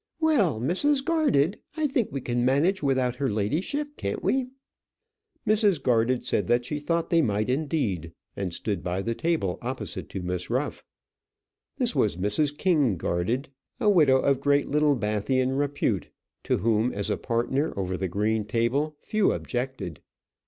"Well, Mrs. Garded, I think we can manage without her ladyship, can't we?" Mrs. Garded said that she thought they might indeed, and stood by the table opposite to Miss Ruff. This was Mrs. King Garded, a widow of great Littlebathian repute, to whom as a partner over the green table few objected.